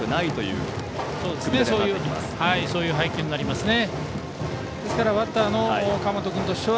そういう配球になりますね。